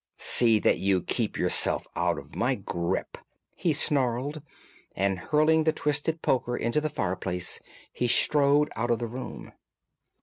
"See that you keep yourself out of my grip," he snarled, and hurling the twisted poker into the fireplace he strode out of the room.